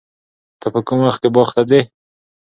ته په کوم وخت کې باغ ته ځې؟